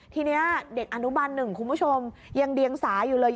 ทีนี้เด็กอนุบัน๑คุณผู้ชมยังเดียงสาอยู่เลย